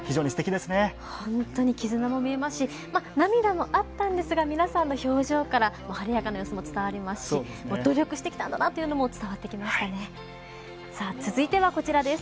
本当に絆も見えますし涙もあったんですが皆さんの表情から、晴れやかな様子も伝わりましたし努力してきたんだなというのも伝わりましたね。